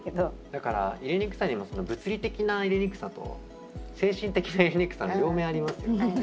だから入れにくさにも物理的な入れにくさと精神的な入れにくさと両面ありますよね。